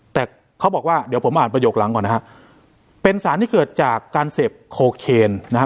แต่เขาบอกว่าเดี๋ยวผมอ่านประโยคหลังก่อนนะฮะเป็นสารที่เกิดจากการเสพโคเคนนะฮะ